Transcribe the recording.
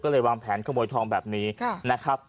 ก็เลยวางแผนขโมยทองแบบนี้นะครับ